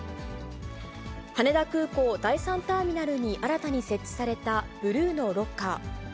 羽田空港第３ターミナルに新たに設置された、ブルーのロッカー。